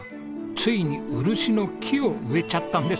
ついに漆の木を植えちゃったんです！